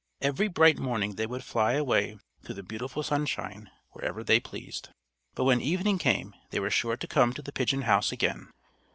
Every bright morning they would fly away through the beautiful sunshine wherever they pleased, but, when evening came, they were sure to come to the pigeon house again.